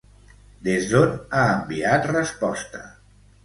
Des d'on ha enviat resposta?